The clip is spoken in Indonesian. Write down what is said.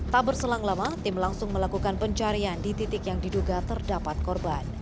tak berselang lama tim langsung melakukan pencarian di titik yang diduga terdapat korban